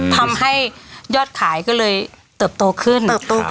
ทำให้ยอดขายก็เลยเติบโตขึ้น